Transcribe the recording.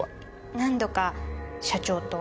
何度か社長と。